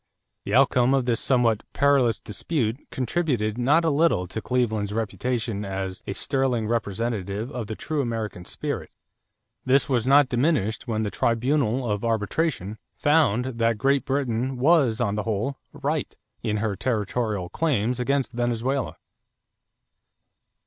The outcome of this somewhat perilous dispute contributed not a little to Cleveland's reputation as "a sterling representative of the true American spirit." This was not diminished when the tribunal of arbitration found that Great Britain was on the whole right in her territorial claims against Venezuela.